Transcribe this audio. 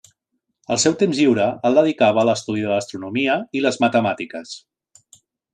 El seu temps lliure el dedicava a l'estudi de l'astronomia i les matemàtiques.